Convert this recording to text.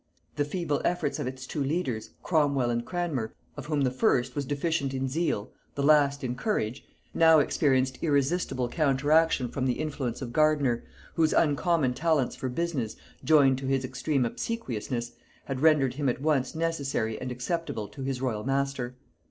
The feeble efforts of its two leaders Cromwel and Cranmer, of whom the first was deficient in zeal, the last in courage, now experienced irresistible counteraction from the influence of Gardiner, whose uncommon talents for business, joined to his extreme obsequiousness, had rendered him at once necessary and acceptable to his royal master.